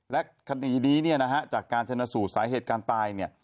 และคณีนี้จากการชนสู่สายเหตุการณ์ตาย